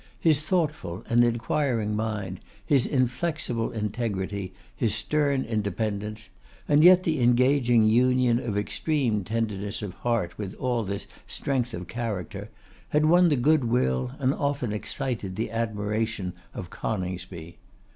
His thoughtful and inquiring mind, his inflexible integrity, his stern independence, and yet the engaging union of extreme tenderness of heart with all this strength of character, had won the goodwill, and often excited the admiration, of Coningsby.